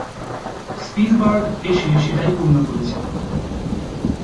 Spielberg এসে সেটাই পূর্ণ করেছেন।